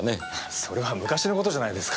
それは昔の事じゃないですか。